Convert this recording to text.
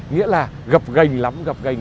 nghĩa là gập gành lắm